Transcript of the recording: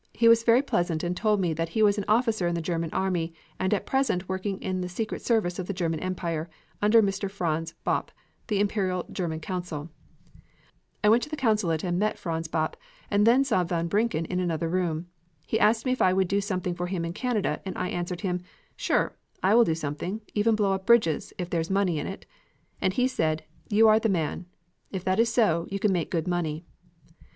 He was very pleasant and told me that he was an officer in the German army and at present working in the secret service of the German Empire under Mr. Franz Bopp, the Imperial German consul. "I went to the consulate and met Franz Bopp and then saw von Brincken in another room. He asked me if I would do something for him in Canada and I answered him, 'Sure, I will do something, even blow up bridges, if there is money in it.' And he said, 'You are the man; if that is so, you can make good money.'